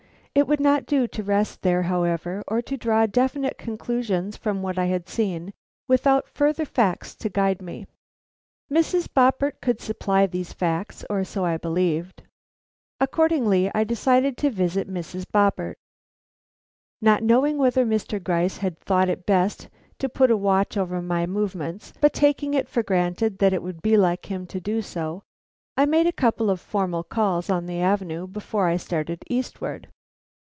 It would not do to rest there, however, or to draw definite conclusions from what I had seen without further facts to guide me. Mrs. Boppert could supply these facts, or so I believed. Accordingly I decided to visit Mrs. Boppert. Not knowing whether Mr. Gryce had thought it best to put a watch over my movements, but taking it for granted that it would be like him to do so, I made a couple of formal calls on the avenue before I started eastward.